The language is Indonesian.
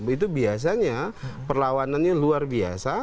itu biasanya perlawanannya luar biasa